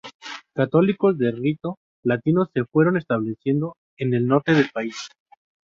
Católicos de rito latino se fueron estableciendo en el norte del país.